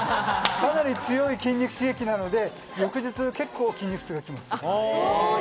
かなり強い筋肉刺激なので、翌日結構、筋肉痛が来ます。